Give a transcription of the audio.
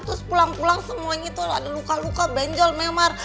terus pulang pulang semuanya gitu ada luka luka benjol memar